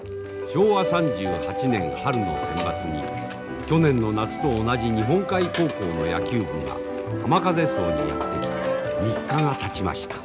昭和３８年春のセンバツに去年の夏と同じ日本海高校の野球部が浜風荘にやって来て３日がたちました。